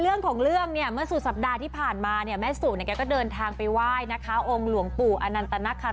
เลขเด็ดสุนารีเออเขาพาดหัวมากเลยอะ